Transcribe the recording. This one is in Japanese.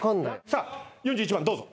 さあ４１番どうぞ。